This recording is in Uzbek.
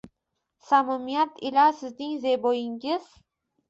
Samimiyat ila sizning Zeboyingiz.”